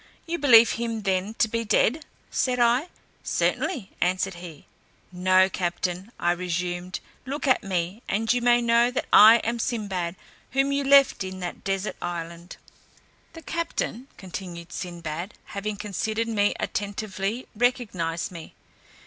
"You believe him then to be dead?" said I. "Certainly," answered he. "No, captain," I resumed; "look at me, and you may know that I am Sinbad, whom you left in that desert island." The captain, continued Sinbad, having considered me attentively, recognized me.